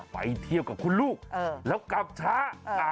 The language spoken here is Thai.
ไปเที่ยวกับคุณลูกแล้วกลับช้า